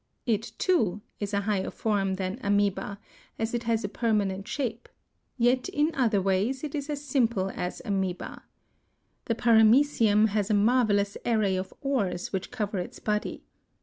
It, too, is a higher form than Amœba, as it has a permanent shape; yet in other ways it is as simple as Amœba. The Paramœcium has a marvelous array of oars which cover its body.